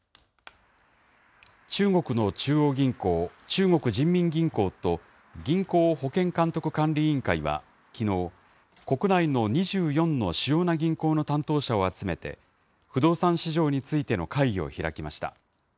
中国の中央銀行、中国人民銀行と、銀行保険監督管理委員会は、きのう、国内の２４の主要な銀行の担当者を集めて、不動産市場についての会議を開きました。